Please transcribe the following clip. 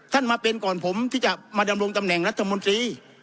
มาเป็นก่อนผมที่จะมาดำรงตำแหน่งรัฐมนตรี